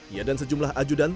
ia dan sejumlah ajudan